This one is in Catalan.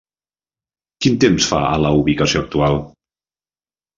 Quin temps fa a la ubicació actual?